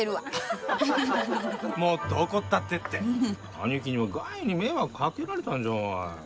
兄貴にはがいに迷惑かけられたんじゃわい。